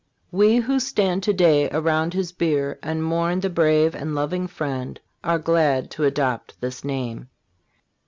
We who stand to day around his bier and mourn the brave and loving friend are glad to adopt this name.